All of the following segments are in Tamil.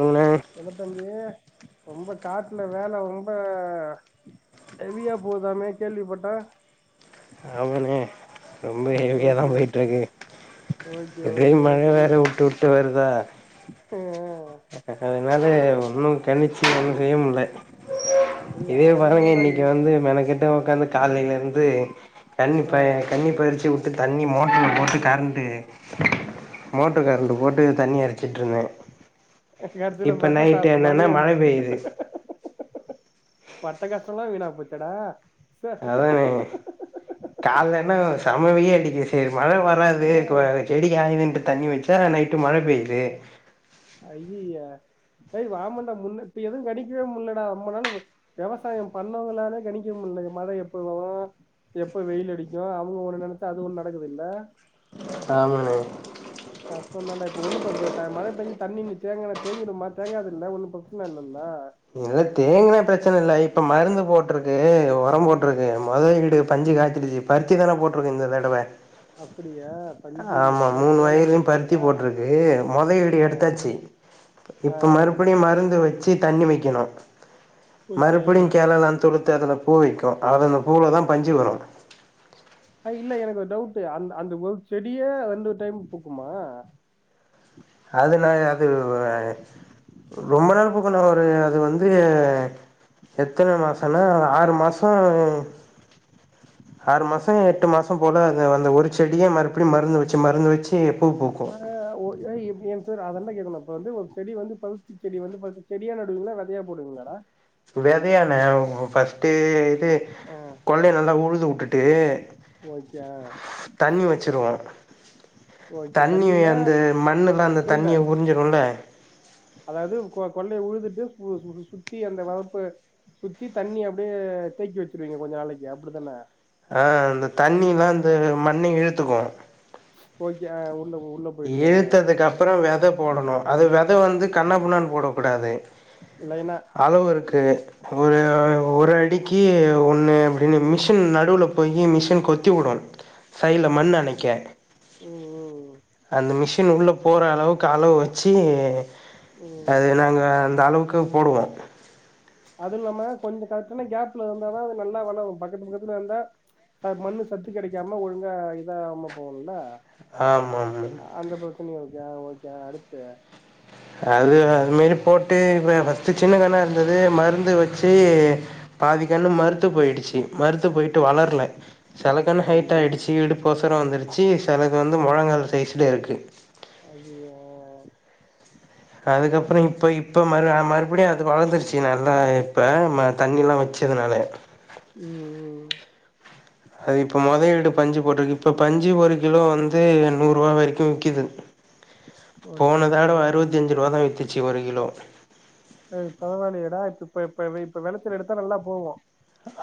அவனே என்ன தம்பி ரொம்ப காட்ல வேல ரொம்ப எவியா போதாமே கேள்விபட்டே ஆமாணே ரொம்ப ஹெவியா தா ஓகே ஓகே போய்ட்ருக்கூ ஓகே எப்டியு ஓகே மழ வேற உட்டு உட்டு வர்தா அ ஆ அனாலயே ஒன்னு கணிச்சு எதுவு செய்யமுல்ல ஆ இதே பாருங்க ஆமாண்டா இன்னிக்கு எங் வந்து மெனக்கெட்டு ஒக்காந்து கால்லேயிர்ந்து தண்ணி ஆ ப தண்ணி பாய்ச்சி வுட்டு தண்ணி மோட்டர்ல போட்டு கரண்ட்டு மோட்டர் கரண்ட் போட்டு தண்ணி எரச்சிட்ருந்தே எப்ய எடத்துல பாத்தா த மழையே மழை வந்துச் பெய்யுது பட்ட கஷ்டோலா வீணா போச்சேடா ச காலன்னா செம வெயில் அடிக்கிது செரி மழ வராது கு செடி காய்துன்டு தண்ணி வச்சா நைட் அ ஐய்யய்ய எய் வாமண்டா முன்ன இப்ப எதுவு கணிக்கவே முல்லடா அம்மனாலு வெவசாயோ பண்ணவங்னாளே கணிக்க மு முல்ல மழ எப்ப வரு எப்ப வெயில் அடிக்கியு அவுங்க ஒண்ணு நெனச்சா அது ஒண்ணு நடக்குதுல்ல ஆமாலு சொன்னான்ன இப்ப ஒன்னு ப ப த மழ பேஞ்சு தண்ணி நீக்கா தேங்க தேங்கிடுமா தேங்காதுல்ல ஒன்னு பரச்சன இல்ல இல்ல தேங்கனா பிரச்சன இல்லை இப்ப மருந்து போட்ருக்கு ஒரம் போட்ருக்கு மொதோயீடு பஞ்சு காய்ச்சிருச்சி பருத்தி தான போட்ருக்கு இந்த தடவ அப்படியா பஞ்சு ஆமா முட்டா மூணு சேலை வயல்லயு பருத்தி கட்டிதானா போட்ருக்கு மொதயீடு எடுத்தாச்சு ஆ இப்ப ஆ மறுபடியு மருந்து வச்சு டி தண்ணி வெக்கணு ஓகே மறுபடியு கெளல்லா துழுத்து அதுல பூ வெக்கு அதுல அந்த பூலதா பஞ்சு வரு அ இல்ல எனக்கு ஒரு டவுட்டு் அந்த அந்த ஒரு செடியே ரெண்டு டைம் பூக்குமா அதுலா அது அ ரொம்ப நாள் பூக்கன்னு வருங்க அது வந்து எத்தன மாசன்னா ஆறு மாசோ ஆறு மாசோ எட்டு மாசம் போல அது அந்த ஒரு செடியே மறுபடியு மருந்து வெச்சு மருந்து வெச்சி அ ஓ எ எப்டியு செரி அதென்டா கேக்கணு இப்ப வந்து ஒரு செடி வந்து பருத்தி செடி வந்து பருத் செடியா நடுவீங்களா வெதையா போடுவீங்களாடா வெதையான்ன உ ஃபஸ்ட்டு ட்டு ஆ கொள்ள நல்லா உழுது உட்டுட்டு ஓகே தண்ணி வெச்சிருவே ஓகே தண்ணி தண்ணினா அந்த மண்ணுல்லா அந்த புரில தண்ணிய உரிஞ்சிடுல்ல அதாவது கொ கொள்ளைய உழுதுட்டு சு சு சுத்தி அந்த வறப்பு சுத்தி தண்ணி அப்டியே தேக்கி வெச்சிருவீங்க கொஞ்ச நாளைக்கி அப்டிதான அ அந்த தண்ணில்லா அந்த மண்ண இழுத்துக்கு ஓகே அ ஓ இழுத்ததுக்கப்புறோ வெத போடணு அது வெத வந்து கண்ணா புண்ணான்னு போட கூடாது லைனா அளவுருக்கு ஒரு அடிக்கி ஒன்னு அப்டின்னு மிஷின் நடுவுல போயி மிஷின் கொத்திவுடு சைல்ல ம் மண்ணனைக்க ம் அந்த மிஷின் உள்ள போற அளவுக்கு அளவு வெச்சி ம் அது நாங்க அந்த அளவுக்கு போடுவோ அதுல்லாம கொஞ்சோ கரெக்டான கேப்ல இருந்தாதா நல்லா வளரு பக்கத்து பக்கத்துல இருந்தா அ மண்ணு சத்து கெடைக்காம ஒழுங்கா அ இதாம போவுல்ல ஆமாம்ம தண்ணி ஓகே ஓகே அடுத்து அது அதுமேரி போட்டு இது ஃபஸ் சி சின்ன கன்னா இருந்தது மருந்து வச்சி பாதிக்கன்னு மருத்து போயிடுச்சு மருத்து போயிட்டு வளர்ல செலக்கன்னு ஹைட்டா ஐயயோ ஆயிடுச்சு இடுப்பொசரோ வந்துருச்சு செலகன்னு வந்து மொழங்கால் சைஸ்லே இருக்கு ஐய்யய்யோ அதுக்கப்புறோ இப்ப இப்ப மறு அ மறுபடியு அது வளந்துருச்சு நல்லா இப்ப ம தண்ணில்லா வச் ச்சதுனால ம் ம் ம் அது இப்ப முதலீடு பஞ்சு போட்ருக்கு இப்ப பஞ்சு ஒரு கிலோ வந்து நூறு ரூபா வரைக்கியு விக்கிது ஓகே போன ஓகே தாடவ அறுவத்தி அஞ்சு ரூபா தா வித்துச்சு ஒரு கிலோ ஏ பரவாயில்லயே டா இப்ப இப்ப இப்ப இப்ப வெளச்சல் எடுத்தா நல்லா போவு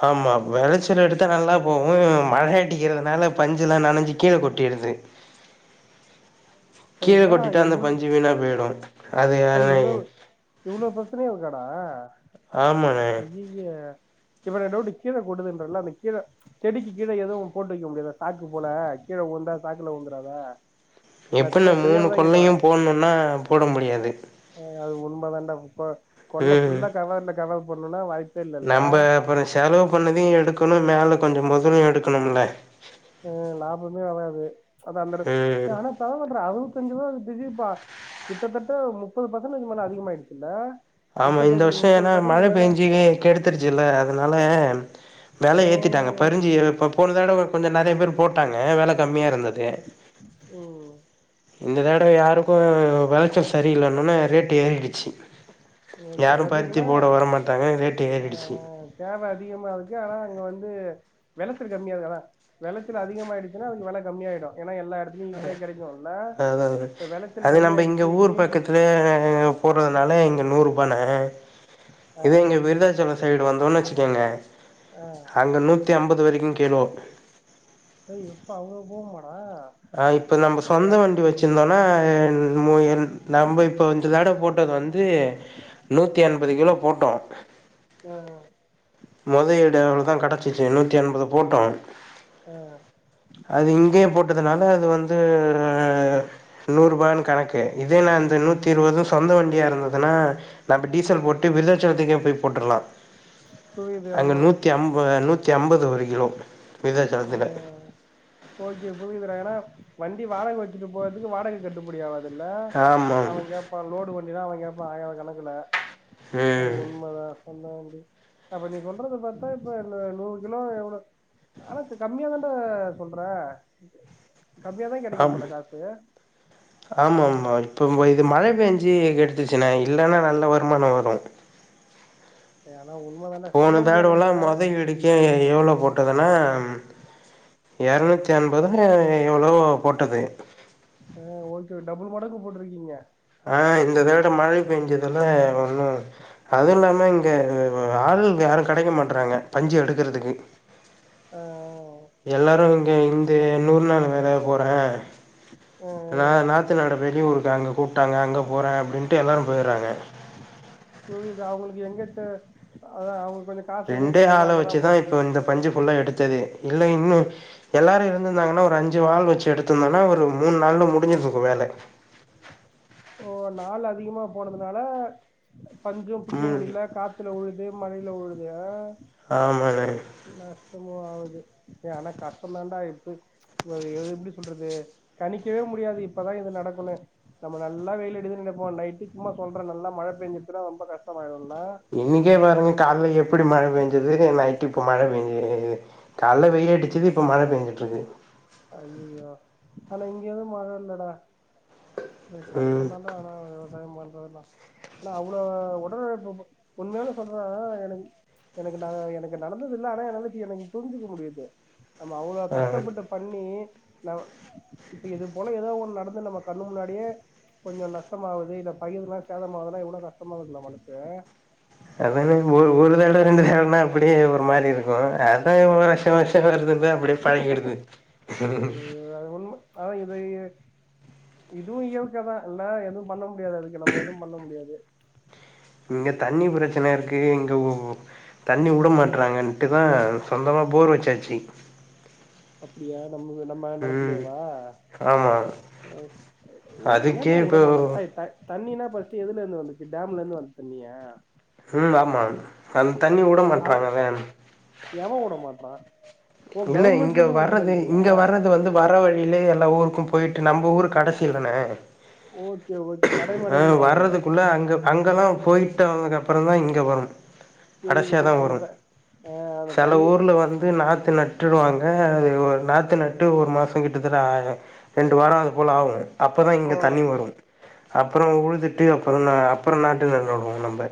ஆமா வெளச்சல் எடுத்தா நல்லா போகு மழ அட்டிக்கிறதுனால பஞ்சுலா நெனைஞ்சு கீழே கொட்ட டிருது [inaudible] கீழ கொட்டிட்டா அந்த பஞ்சு வீணா போய்டு அ இவ்ளோ இவ்ளோ பிரச்சனையா இருக்கடா ஆமாண்ணே அய்யய்ய இப்ப ரெண்டு விட்டு கீழ குடுதுன்றல்ல அந்த கீழ செடிக்கு கீழ எதுவு போட்டு வைக்க முடியாது சாக்கு போல கீழ உலுந்தா சாக்ல வுலுந்துறதா எப்பின்ன மூணு கொன்னையு போட்ணுன்னா போட முடி ஏய் அது உண்ம தாண்டா இப்ப கொள்ள புல்லா கவெர்ல கவர் பண்ணும்னா வாய்ப்பு நம்ப அப்றோ செலவு பண்ணதையு எடுக்கணு மேல கொஞ்ச மெதலு எடுக்கணும்ல அ லாபமே வராது அத அந்த ம் ஆனா பரவால்லடா அறுவத்தஞ்சு ரூவ கிட்டதட்ட முப்பது ஃபர்சன்டேஜ் மேல அதிகமாயிடுச்சுல்ல ஆமா இந்த முப்பத்தஞ்சு வருஷோ முப்பது ஏன்னா பர்சன்ட் மழ மேல பெயஞ்சுனு கெடுத்துருச்சுல்ல அதனால வெல ஓ ஏத்திட்டாங்க பரிஞ்சு இப்ப போன தடவ விட கொஞ்சோ நெறய பேர் போட்டாங்க வெல கம்மியா இருந்தது ஓ இந்த தடவ யாருக்கு வெளச்சல் சரியில்லன்ன ஒடனே ரேட்டு ஏறிடுச்சு யாரு பருத்தி போட வர மாட்டாங்க அ தேவ அதிகமா இருக்கு ஆனா அங்க வந்து வெளச்சல் கம்மியாகிது வெளச்சல் அதிகமாயிடுச்சுன்னா வெல கம்மியாயிடு எல்லா எடத்துலையு ஈஸியா கெடைக்குல்ல அதா இப்ப வெளச்சல் அது கம்மிய அடிக்கி எங்க போட்றதுனால எங்க நூறு ரூபான ஆ இதே இங்க விருதாச்சலம் சைடு வந்தோன்னு வெச்சிக்கங்க ஆ அங்க நூத்தி ஐம்பது வரைக்கு கிலோ அவ போ வாய்ப்பு இப்ப நம்ம சொந்த வண்டி வெச்சிருந்தோன்னா நம்ம இப்ப தட போட்ட வந்து நூத்தி என்பது கிலோ போட்டோ அ மொத இடம் தா கெடச்சுச்சு நூத்தி என்பது போட்டோம் ஆ அது இங்கேயே போட் னால அது வந்து நூறு ரூபாய்னு கணக்கு இதே நா இந்த நூத்தி இருபதும் சொந்த வண்டியா இருந்துதுன்னா நம்ப ஆ டீசல் போட்டு விருதாச்சலத்துக்கு போய் போட்டுரலா புரியுது அங்க ஆமா நூத்தி ஐம்ப நூத்தி நூத்தி ஐம்பது ஒரு கிலோ விருதாச்சலத்துல ஓகே புரியுதுடா ஏன்னா வண்டி வாடக வெச்சுட்டு போறதுக்கு வாடக கட்டுப்படி ஆவுதல்ல ஆமாம் அவ கேப்பா லோடு அப்டித்தா அவ கேட்பா ஆயிரகணக்குல அது ம் உண்மதா [unintelligible] அப்ப நீ சொல்றத பாத்தா இப்ப நூறு கிலோ எவ்ளோ ஆனா இப்ப கம்மியா தான்டா சொல்ற கம்மியா தான் கிடைக்கும் ஆம் போல காசு ஆமா ஆமா இப்போ இது மழ பெஞ்சு கெடுத்துச்சுனா இல்லன்னா நல்ல வருமானோ வரு ஆனா உண்மைதானே சொல்ல போன தாடு எல்லா முடியாதுல்ல மொத இடுக்ககே எவ்ளோ போட்டதுன்னா எரனுத்தி என்பதோ எவ்ளோ போட்டது அ ஓகே டபுள் மடக்கு போட்டிருக்கீங்க அ இந்த தட மழை பெஞ்சதுல ஒண்ணு அதுவு இல்லாம இங்க ஆள் யாரு கெடைக்க மாட்றாங்க பஞ்சு எடுக்குறதுக்கு அ எல்லாரு இங்க இந்த நூறு நாள் வேல போறே ஆ, இல்லனா நாத்து நாட வெளியூருக்கு அங்க கூப்ட்டாங்க அங்க போற அப்டின்ட்டு எல்லாரு போயிறாங்க புரியுது அவுங்களுக்கு எங்கத அவங்க ரெண்டே ஆள வெச்சுதா இப்போ இந்த பஞ்சு புல்லா எடுத் தது இல்ல இன்னு எல்லாரு இருந்திருந்தாங்கன்னா ஒரு அஞ்சு ஆள் வச்சு எடுத்திருந்தனா ஒரு மூணு நாள்ள முடிஞ்சு சுருக்கு வேல [inaudible] ஓ நாள் அதிகமா போனதுனால பஞ்சும் பிக்க ம் முடியல காத்துல உழுது இதே மழைல வுழுது எஹ் ஆமாண்ணே கஷ்டமு ஆகுது ஏ ஆனா கஷ்டோ தான்டா [unintelligible] எப்படி சொல்றது கணிக்கவே முடியாது இப்பதா இது நடக்குனு நம்ம நல்லா வெயில் அடிக்கு நப்ப நைட்டு சும்மா சொல்றேன் நல்ல மழ பெயஞ்சுனா ரொம்ப கஷ்டாயிடு இன்னைக்கே பாருங்க கால்ல எப்புடி மழ பெய்ஞ்சது இரு நைட் இப்ப மழை பெயஞ்சு கால்ல வெயில் அடிச்சது இப்ப மழ பெயஞ்சுட்டு இருக்கு அய்யயோ ஆனா இங்க வந்து மழ இல்லடா கஷ்டோ ம் தான்டா ஆன பண்றதுல்லா ஆனா அவ்ளோ உடநில ப ப உண்மையல சொல்ற எனக்கு எனக்கு ந எனக்கு நடந்தது இல்ல ஆனா எனத்த எனக்கு புரிஞ்சுக்க முடியுது நம்ம அவ்ளோ ஆ கஷ்டப்பட்டு பண்ணி நா இப்ப இது போல ஏதோ ஒண்ணு நடந்து நம்ம கண்ணு முன்னாடியே கொஞ்சோ நஷ்டமா ஆகுது இல்ல பயிர் நா சேதம் ஆவுதுனா எவ்ளோ கஷ்டமாகுது டா இல்ல மனசு அதானே ஒரு அதான்வ வருஷோ வருஷோ வருதுத அப்படியே பழிக்கிடுது ஆ இது இது இதுவு இயற்கை தா இல்ல எதுவு பண்ண முடியாது அதுக்கு நம்ம எதுவு பண்ண முடியாது இங்க தண்ணி பிரச்சன இருக்கு இங்க தண்ணி வுட மாட்டறாங்கட்டுதா சொந்தமா போர் வச்சாச்சு அப்படியா நம் நம்ம ம் நிலத்துலையாவா ஆமா ஹ ஏன் அதுக்கே ஏன்டா வுட இப்போ மாட்டிங்குறாங்க எய் தண்ணி தண்ணினா பர்ஸ்ட் எதுல இருந்து வந்துச்சு டேம்ல இருந்து வந்த தண்ணியா உம் ஆமா அந்த தண்ணி வுட மாட்டறாங்களே எவவுட மாட்றா இல்ல இங்க வறது இங்க வறது வந்து வரவழி யில எல்லா ஊருக்கு போயிட்டு நம்ம ஊருக்கு கடைசியில்ல தான ஓகே ஓகே கடைமடைன்னு வாங்களே வர்றதுக்குள்ள அங்க அங்கெல்லா போய்ட் வந்ததுக்கப்பறோ தா இங்கே வரும் இது கடைசியா இது தான் அந்த வரும் த அந்த சில தண்ணி ஊர்ல வந்து நாத்து நட் வாங்க அது ஒரு நாத்து நட்டு ஒரு மாசோ கிட்டத்தட்ட ரெண்டு வாரம் அது போல ஆகு அப்போ தா இங்கே ஆ தண்ணி வரும் அப்றோ உழுதுட்டு அப்புறோ நா அப்றோ நாட்டு நறுடுவோம் நம்ம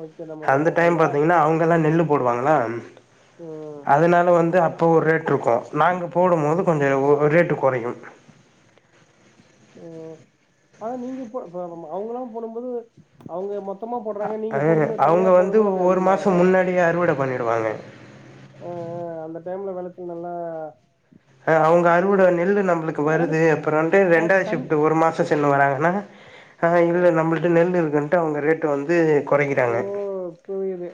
ஓகே நம்ம ந அந்த நல்ல டைம் பாத்தீங்கன்னா அவங்கல்லா நெல்லு போடுவாங்களா ம் அதனால வந்து அப்போ ஒரு ரேட் இருக்கு நாங்க போடும் போது கொஞ்சோ ரெட்டு குறையும் [inaudible] ஓ ஆனா நீங்க இப்ப அவங்கல்லா போடும்போது அவங்க மொத்தோ அ அவங்க வந்து ஒரு மாச அதிகமாவதா முன்னாடியே அறுவட பண்ணிடுவாங்க அ அ அந்த டைம்ல விளைச்சல் நல்லா அ அவங்க புவி அருவோட நெல்லு நம்மளுக்கு ஆனா வருது அப்றோன்டு த ரெண்டாவது தண் ஷிப்ட்டு ஒரு மாசோ சின்ன வராங்கன்னா ஆ இல்ல நம்மளிட்ட நெல் இருக்குன்ட்டு அவங்க ரேட்டு வந்து ஓ கொறைக்கிறாங்க புரியுது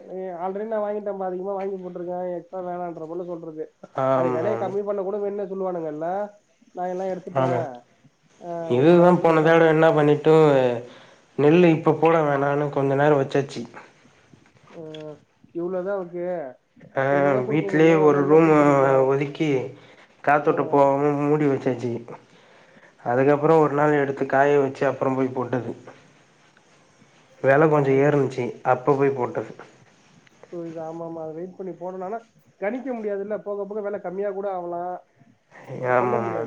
ஆல்ரெடி நான் வாங்கிட் டி அதிகமா வாங்கி போட்டு இருக்கேன் இப்ப வேனாற பொருள்ளா சொல்றது அது ஆமா விலைய கம்மி பண்ண கூட வேணும்னே சொல்லுவானுங்கல்ல நா எல்லா எடுத்துட்டே ஆமா இவ்ளோதா இதுதான் குடுப்பே போனதட என்ன பண்ணிட்டு நெல்லு இப்ப போட வேணான்னு கொஞ்ச நேரோ வச்சாச்சு அஹ் இவ்ளதாக்கு அ வீட்லயே ஒரு ரூம் போ ஒதுக்கி காத்தோட்ட ம் போவாம மூடி வெச்சு ஆ சேரிப்பா அதுக்கப்றோ ஒரு நாள் எடுத்து காய வெச்சு அப்புற போய் போட்டது வெல ஏ கொஞ்ச ஆனா ஏறுந்துச்சு அப்ப போய் போட்டது புரிது ஆமா ஆமா அத வெயிட் பண்ணி போட்றனால கணிக்க முடியாது இல்ல போக போக வெல கம்மியா கூட ஆகலா ஆமா ஆமா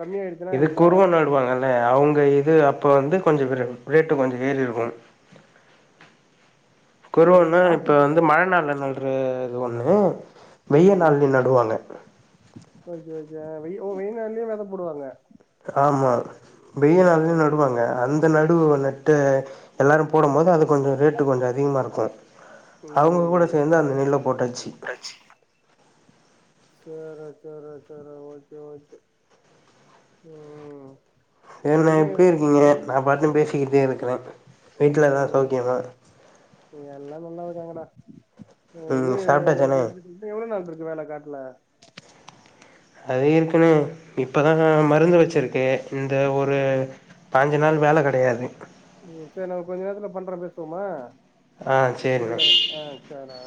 கம்மியாயிடுச்சுன்னா இது முன்ன குருவ நடுவாங்கல்ல அவங்க வந்து அப்ப வந்து கொஞ்சோ கொ ரெ ரேட்டு கொஞ்சோ ஏறி இருக்கு குருவ ஓகே ஒன்னு காத்து இப்ப பு- வந்து மழ நாள்ல நட்ற இது ஒண்ணு வெய்ய நாள்லயு நடுவாங்க ஐயயா வெய் ஓ வெயில் நாள்லயு வெத போடுவாங்க ஆமா வெயில் ஆ நாள்லயு நடுவாங்க அந்த நடுவுவொல த்து எல்லாரு போடும் போது அது கொஞ்ச ரேட்டு கொஞ்ச அதிகமா இருக்கு அவங்க கூட ம் சேர்ந்து அந்த நெல்ல போட்டாச்சு சேரா சேரா சேரா ஓகே ஓகே ம் என்ன இப்டி இருக்கீங்க நா பாட்னு பேசிக்கிட்டே இருக்கிறே வீட்ல எல்லா [unintelligible] சௌக்கியமா இங்க எல்லா நல்லா இருக்காங்கடா ம் இன்னு ஏ எப்டி இன்னு எவ்ளோ நாள் இருக்கு வேல காட்டுல அது இருக்குன்னு இப்பதா நா மருந்து வெச்சிருக்கே இந்த ஒரு ம் பாஞ்சு நாள் வேல கெடையாது ம் சேரி நா கொஞ்ச நேரத்துல பண்றே பேசுவோமா ஆ சேரிண்ணா இன்னு ஆ சேரா